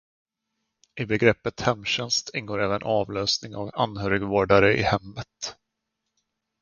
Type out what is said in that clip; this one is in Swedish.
I begreppet hemtjänst ingår även avlösning av anhörigvårdare i hemmet.